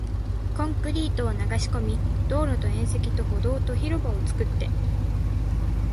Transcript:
コンクリートを流し込み、道路と縁石と歩道と広場を作って